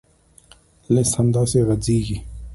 لیست همداسې غځېږي.